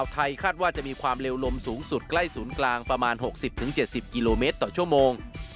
ที่๗๐กิโลเมตรต่อชั่วโมง